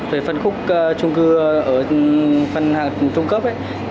về phân khúc trung cư ở phân hàng trung cấp